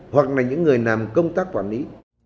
hoặc là những người làm công tác quản lý